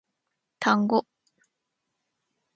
単語